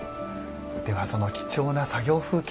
ではその貴重な作業風景